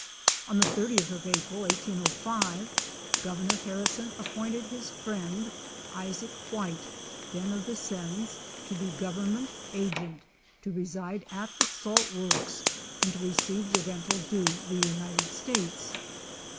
On the 80th of April, 1805, Governor Harrison appointed his friend, Isaac White, then of Vincennes, to be government agent to reside at the salt works and receive the rental due the United States.